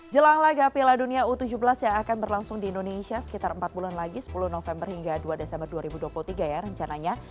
jelang laga piala dunia u tujuh belas yang akan berlangsung di indonesia sekitar empat bulan lagi sepuluh november hingga dua desember dua ribu dua puluh tiga ya rencananya